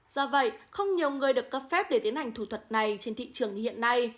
do vậy không nhiều người được cấp phép để tiến hành thủ thuật này trên thị trường hiện nay